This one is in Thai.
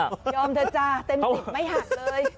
ยอมเถอะจ้ะเต็ม๑๐ไม่หักเลย